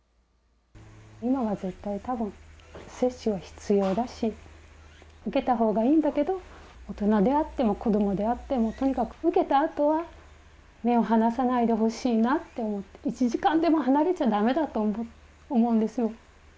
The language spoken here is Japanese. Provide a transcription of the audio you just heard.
今は絶対、たぶん、接種は必要だし、受けたほうがいいんだけど、大人であっても、子どもであっても、とにかく受けたあとは目を離さないでほしいなと思って、１時間でも離れちゃだめだと思うんですよ。